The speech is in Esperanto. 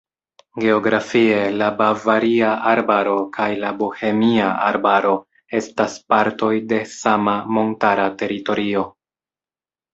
Geografie la Bavaria Arbaro kaj la Bohemia Arbaro estas partoj de sama montara teritorio.